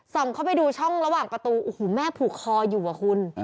เข้าไปดูช่องระหว่างประตูโอ้โหแม่ผูกคออยู่อะคุณ